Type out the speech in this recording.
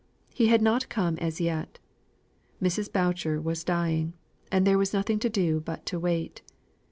He had not come as yet; Mrs. Boucher was dying; and there was nothing to do but wait.